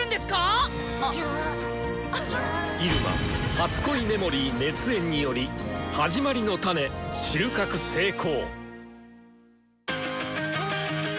「初恋メモリー」熱演により「始まりのタネ」収穫成功！